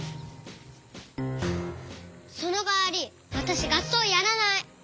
そのかわりわたしがっそうやらない。